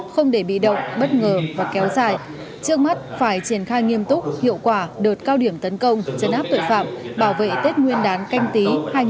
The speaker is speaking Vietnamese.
không để bị động bất ngờ và kéo dài trước mắt phải triển khai nghiêm túc hiệu quả đợt cao điểm tấn công chấn áp tội phạm bảo vệ tết nguyên đán canh tí hai nghìn hai mươi